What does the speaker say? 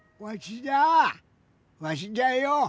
わしじゃよ！